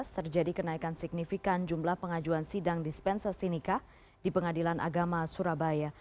terjadi kenaikan signifikan jumlah pengajuan sidang dispensasi nikah di pengadilan agama surabaya